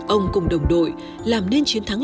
ông cùng đồng đội làm nên chiến thắng